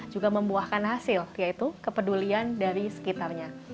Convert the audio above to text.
juga membuahkan hasil yaitu kepedulian dari sekitarnya